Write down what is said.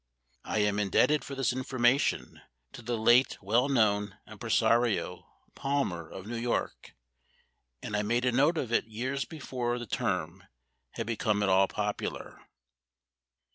I am indebted for this information to the late well known impresario Palmer of New York, and I made a note of it years before the term had become at all popular.